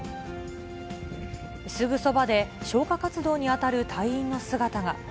すぐそばで消火活動に当たる隊員の姿が。